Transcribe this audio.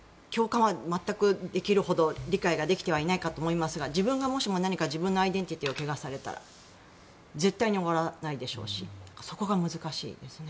私がもしも共感は全くできるほど理解ができてはいないかと思いますが自分が何か自分のアイデンティティーを汚されたら絶対に終わらないでしょうしそこが難しいですね。